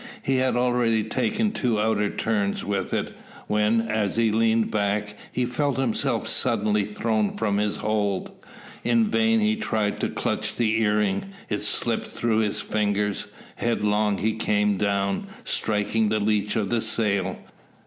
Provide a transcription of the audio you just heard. He had already taken two outer turns with it, when, as he leaned back, he felt himself suddenly thrown from his hold. In vain he tried to clutch the earing; it slipped through his fingers. Headlong he came down, striking the leech of the sail.